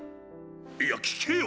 いや聞けよ！